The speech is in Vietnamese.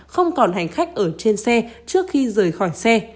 không còn hành khách ở trên xe trước khi rời khỏi xe